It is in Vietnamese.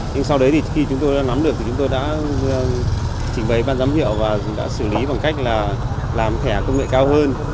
nhưng sau đấy thì khi chúng tôi đã nắm được thì chúng tôi đã trình bày ban giám hiệu và đã xử lý bằng cách là làm thẻ công nghệ cao hơn